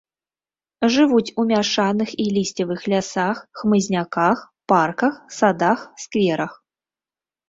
Жывуць у мяшаных і лісцевых лясах, хмызняках, парках, садах, скверах.